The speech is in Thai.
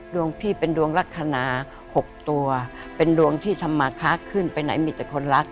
ดวงพี่เป็นดวงลักษณะ๖ตัวเป็นดวงที่ธรรมาคะขึ้นไปไหนมีแต่คนรัก